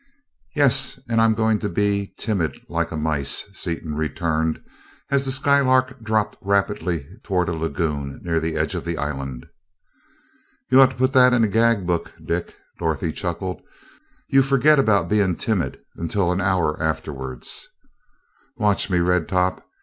"Yes, and I'm going to be timid like a mice," Seaton returned as the Skylark dropped rapidly toward a lagoon near the edge of the island. "You ought to put that in a gag book, Dick," Dorothy chuckled. "You forget all about being timid until an hour afterwards." "Watch me, Red top!